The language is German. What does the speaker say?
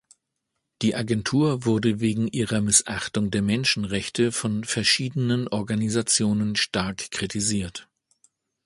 Die Agentur wurde wegen ihrer Missachtung der Menschenrechte von verschiedenen Organisationen stark kritisiert.